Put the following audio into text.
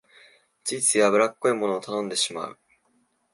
ついつい油っこいものを頼んでしまう